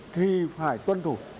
thì phải tuân thủ